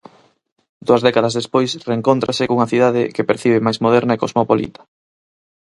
Dúas décadas despois reencóntrase cunha cidade que percibe máis moderna e cosmopolita.